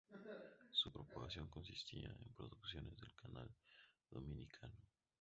Su programación consistía en producciones del canal dominicano.